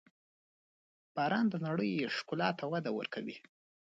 • باران د نړۍ ښکلا ته وده ورکوي.